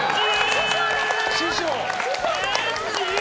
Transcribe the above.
師匠！